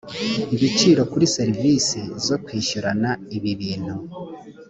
ibiciro kuri serivisi zo kwishyurana ibibintu